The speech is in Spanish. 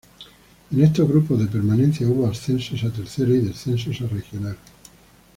En estos grupos de permanencia hubo ascensos a Tercera y descensos a Regional.